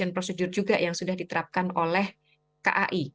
ini adalah operasi juga yang sudah diterapkan oleh kai